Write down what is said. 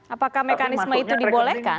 apakah mekanisme itu dibolehkan